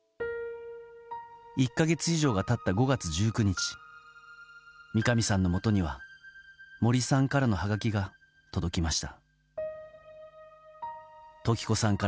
１か月以上が経った５月１９日三上さんのもとには森さんからのはがきが届きました。